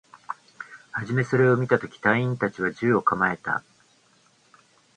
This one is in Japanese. はじめそれを見たとき、隊員達は銃を構えた